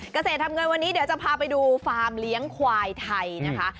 เกษตรทำเงินวันนี้เดี๋ยวจะพาไปดูฟาร์มเลี้ยงควายไทยนะคะ